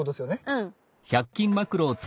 うん。